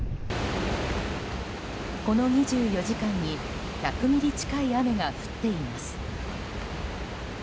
この２４時間に１００ミリ近い雨が降っています。